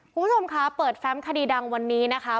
คุณผู้ชมคะเปิดแฟมคดีดังวันนี้นะคะ